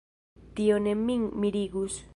Tio ne min mirigus.